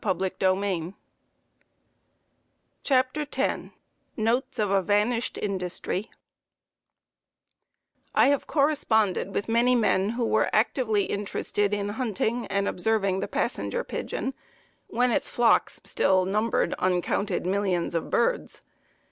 T. PHILLIPS' STORE A typical game store of the early 70's] CHAPTER X Notes of a Vanished Industry I have corresponded with many men who were actively interested in hunting and observing the Passenger Pigeon when its flocks still numbered uncounted millions of birds.